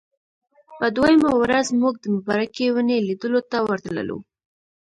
په دویمه ورځ موږ د مبارکې ونې لیدلو ته ورتللو.